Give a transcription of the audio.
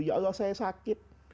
ya allah saya sakit